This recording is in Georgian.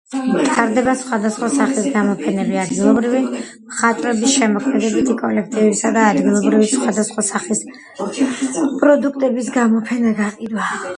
ტარდება სხავადასხვა სახის გამოფენები, ადგილობრივი მხატვრების, შემოქმედებითი კოლექტივების, ადგილობრივი სხვადასხვა სახის პროდუქტების გამოფენა-გაყიდვა.